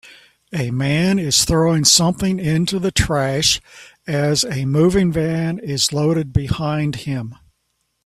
A man is throwing something into the trash as a moving van is loaded behind him